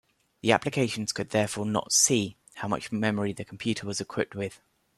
The applications could therefore not "see" how much memory the computer was equipped with.